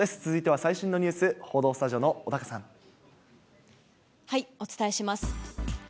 続いては最新のニュース、お伝えします。